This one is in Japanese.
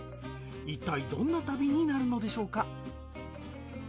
いったいどんな旅になるのでしょうか？